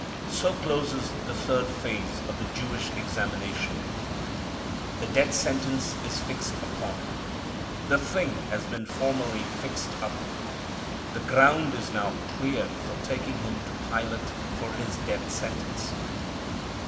So closes the third phase of the Jewish examination. The death sentence is fixed upon. The thing has been formally fixed up. The ground is now cleared for taking Him to Pilate for His death sentence.